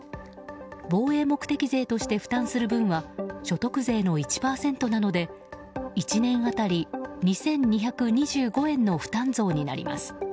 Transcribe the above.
防衛目的税として負担する分は所得税の１％なので１年当たり２２２５円の負担増になります。